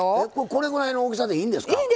これぐらいの大きさでいいんですか？